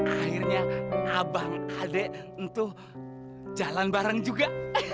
akhirnya abang adek entuh jalan bareng juga